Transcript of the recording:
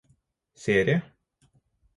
serie